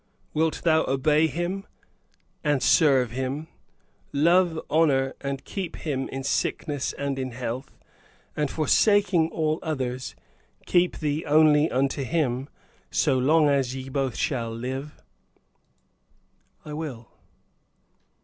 "Wilt thou obey him, and serve him, love, honor, and keep him in sickness and in health, and forsaking all others, keep thee only unto him, so long as ye both shall live?" "I will."